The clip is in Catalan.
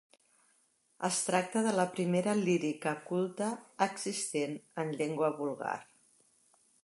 Es tracta de la primera lírica culta existent en llengua vulgar.